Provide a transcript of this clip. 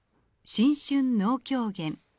「新春能狂言」。